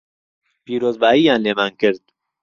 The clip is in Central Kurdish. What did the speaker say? پیرۆزبایییان لێمان کرد